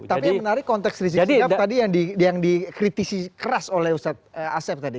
tapi yang menarik konteks risiko yang dikritisi keras oleh ustaz asep tadi